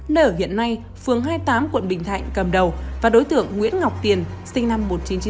nơi ở hiện nay phương hai mươi tám tp hcm cầm đầu và đối tượng nguyễn ngọc tiền sinh năm một nghìn chín trăm chín mươi bốn